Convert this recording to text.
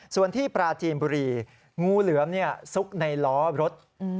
ส่วนที่ปราจีนบุรีงูเหลือมซุกในล้อรถ